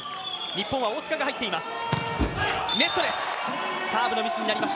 日本は大塚が入っています。